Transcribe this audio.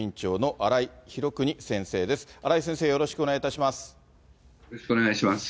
荒井先生、よろしくお願いします。